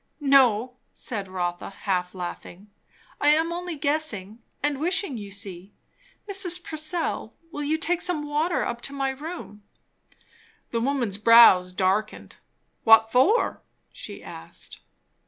"No," said Rotha, half laughing. "I am only guessing, and wishing, you see. Mrs. Purcell, will you take some water up to my room?" The woman's brows darkened. "What for?" she asked.